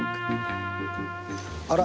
あら？